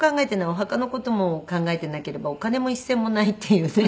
お墓の事も考えてなければお金も一銭もないっていうね。